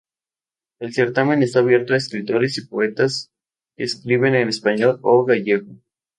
El Certamen está abierto a escritores y poetas que escriben en español o gallego.